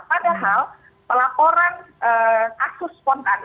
padahal pelaporan asus spontan